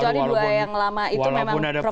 jadi dua yang lama itu memang profesional itu ya